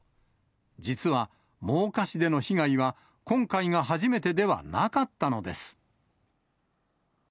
実は、真岡市での被害は、今回が初めてではなかったのです。